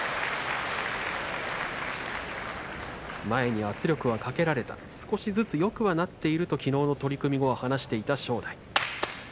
前に圧力をかけられた少しずつよくなっているというきのうの取組を話していた正代。